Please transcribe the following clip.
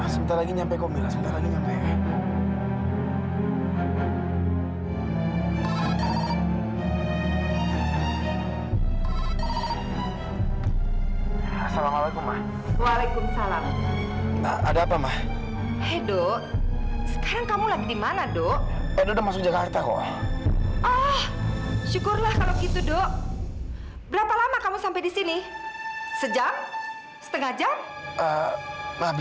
sebentar lagi nyampe komil sebentar lagi nyampe